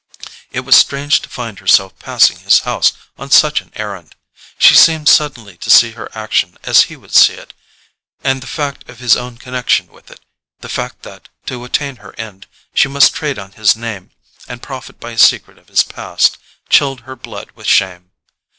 It was strange to find herself passing his house on such an errand. She seemed suddenly to see her action as he would see it—and the fact of his own connection with it, the fact that, to attain her end, she must trade on his name, and profit by a secret of his past, chilled her blood with shame.